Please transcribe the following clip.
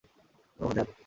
ওহ, ধ্যাত।